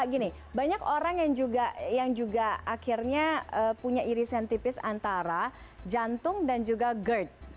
gini banyak orang yang juga akhirnya punya irisan tipis antara jantung dan juga gerd